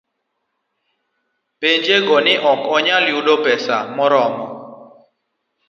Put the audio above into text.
Pinjego ne ok nyal yudo pesa moromo